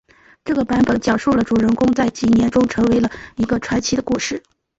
这个版本讲述了主人公在几年中成为了一个传奇的故事。